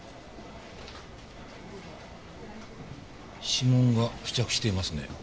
指紋が付着していますね。